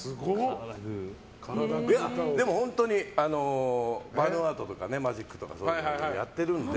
でも、本当にバルーンアートとかマジックとかそういうのやってるので。